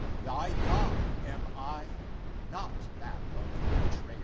Thy God am I, not that of the betrayer.